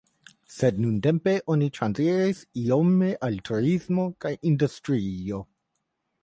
Sed nuntempe oni transiris iome al turismo kaj industrio.